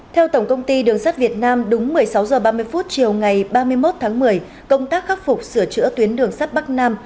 theo tổng công ty đường sắt việt nam đúng một mươi sáu h ba mươi chiều ngày ba mươi một tháng một mươi công tác khắc phục sửa chữa tuyến đường sắt bắc nam